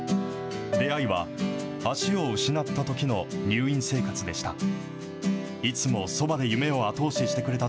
出会いは足を失ったときの入院生活でした。